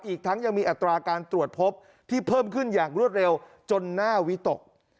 อีกทั้งยังมีอัตราการตรวจพบที่เพิ่มขึ้นอย่างรวดเร็วจนหน้าวิตก